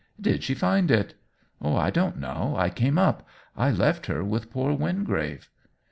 " Did she find it ?"" I don't know. I came up. I left her with poor Wingrave."